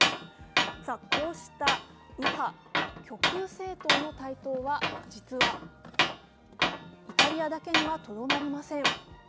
こうした右派・極右政党の台頭は実はイタリアだけにはとどまりません。